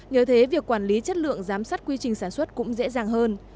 nhờ thế việc quản lý chất lượng giám sát quy trình sản xuất cũng dễ dàng hơn